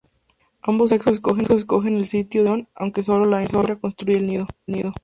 Ambos sexos escogen el sitio de anidación, aunque solo la hembra construye el nido.